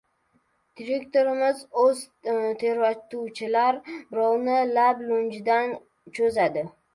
Direktorimiz oz teruvchilar birovini lab-lunjidan cho‘zadi.